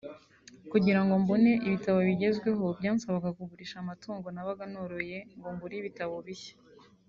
kugira ngo mbone ibitabo bigezweho byansabaga kugurisha amatungo nabaga noroye ngo ngure ibitabo bishya